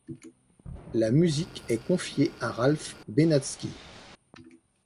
La musique est confiée à Ralph Benatzky.